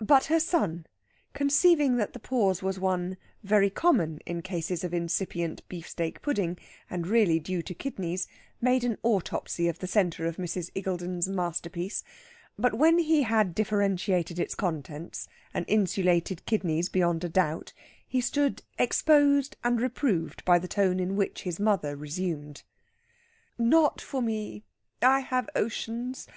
But her son, conceiving that the pause was one very common in cases of incipient beefsteak pudding, and really due to kidneys, made an autopsy of the centre of Mrs. Iggulden's masterpiece; but when he had differentiated its contents and insulated kidneys beyond a doubt, he stood exposed and reproved by the tone in which his mother resumed: "Not for me; I have oceans.